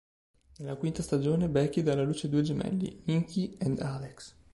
Nella quinta stagione Becky dà alla luce due gemelli, Nicky and Alex.